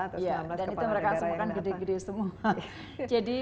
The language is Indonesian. dan itu mereka semua kan gede gede semua